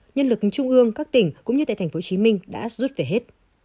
nhân lực trung ương các tỉnh cũng như tại tp hcm đã rút về hết